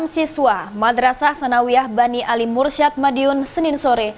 delapan siswa madrasah sanawiyah bani ali mursyad madiun senin sore